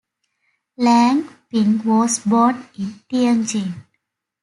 Lang Ping was born in Tianjin.